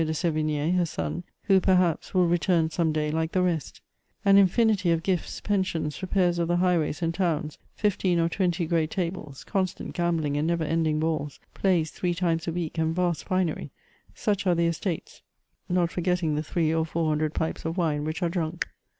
de Sevign6, her son), who, perhaps, will return some day like the rest An infinity of gfifts, pensions, repairs of the highways and towns, fifteen or twenty great tables, constant gambling and never ending balls, plays three limes a week, and vast finery — such are the Estates — not forgetting the three or four hundred pipes of wine which are drunk."